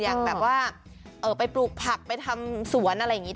อย่างแบบว่าไปปลูกผักไปทำสวนอะไรอย่างนี้